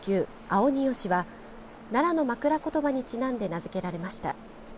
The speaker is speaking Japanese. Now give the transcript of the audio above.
あをによしは奈良の枕ことばにちなんで名付けられました。